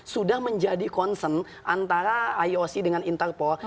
sudah menjadi concern antara ioc dengan interpol